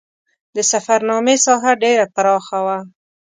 د سفرنامې ساحه ډېره پراخه وه.